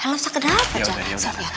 help sakit dapet aja